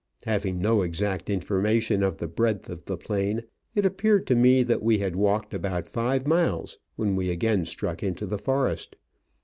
Having no exact information of the breadth of the plain, it appeared to me that we had walked about five miles when we again struck into the forest.